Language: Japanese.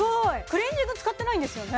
クレンジング使ってないんですよね？